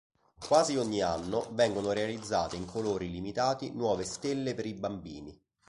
Quasi ogni anno vengono realizzate in colori limitati nuove Stelle per i Bambini.